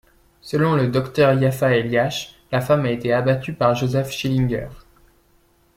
Selon le Dr Yaffa Eliach, la femme a été abattue par Joseph Schillinger.